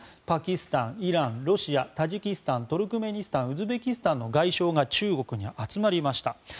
パキスタン、イラン、ロシアタジキスタン、トルクメニスタンウズベキスタンの外相が中国に集まりました。